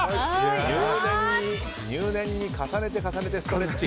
入念に重ねて重ねてストレッチ。